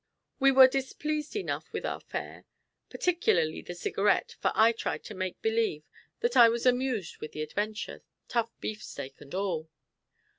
We were displeased enough with our fare. Particularly the Cigarette, for I tried to make believe that I was amused with the adventure, tough beefsteak and all.